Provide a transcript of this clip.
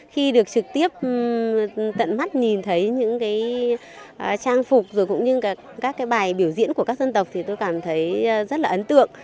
khi được trực tiếp tận mắt nhìn thấy những trang phục cũng như các bài biểu diễn của các dân tộc thì tôi cảm thấy rất là ấn tượng